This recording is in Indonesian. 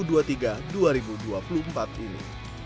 kembali ke piala asia dua ribu dua puluh empat ini